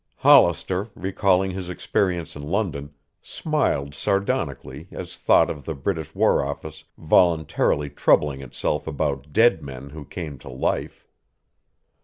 Hollister, recalling his experience in London, smiled sardonically at thought of the British War Office voluntarily troubling itself about dead men who came to life.